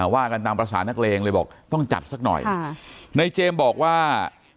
ว่ากันตามภาษานักเลงเลยบอกต้องจัดสักหน่อยในเจมส์บอกว่า